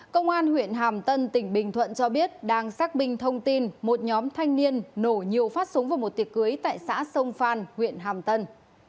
công an huyện hàm tân tỉnh bình thuận cho biết đang xác minh thông tin một nhóm thanh niên nổ nhiều phát súng vào một tiệc cưới tại xã sông phan huyện hàm tân